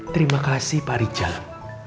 terima kasih pak rijal